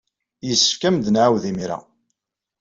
Yessefk ad am-d-nɛawed imir-a.